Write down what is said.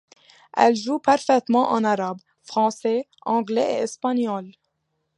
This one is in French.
Elle joue parfaitement en arabe, français, anglais et espagnol.